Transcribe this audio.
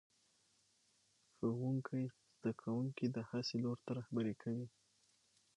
ښوونکی زده کوونکي د هڅې لور ته رهبري کوي